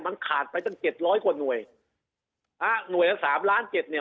มันขาดไปตั้ง๗๐๐กว่าหน่วยหน่วยละ๓ล้าน๗เนี่ย